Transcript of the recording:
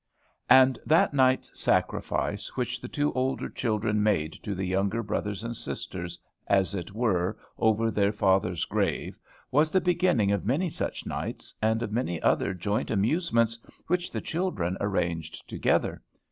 '" And that night's sacrifice, which the two older children made to the younger brothers and sisters as it were over their father's grave, was the beginning of many such nights, and of many other joint amusements which the children arranged together.